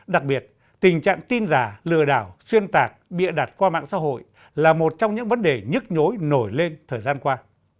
đặc biệt tình trạng tin giả lừa đảo xuyên tạc bịa đặt qua mạng xã hội là một trong những vấn đề nhức nhối nổi lên thời gian qua